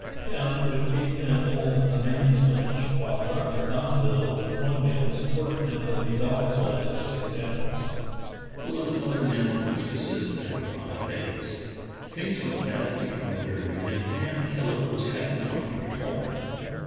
Pim with eight men hauled the man sledge, while Dr. Domville with one man supported him with a dog sledge of six animals. Eleven other men were to assist them for five days. Things went badly from the very beginning, and Kellet was half inclined to recall Pim.